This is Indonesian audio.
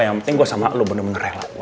yang penting gue sama lo bener bener rela gue